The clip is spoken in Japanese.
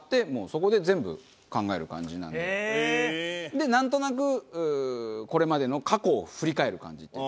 でなんとなくこれまでの過去を振り返る感じっていうんですか？